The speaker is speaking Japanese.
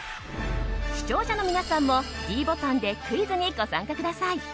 視聴者の皆さんもｄボタンでクイズにご参加ください。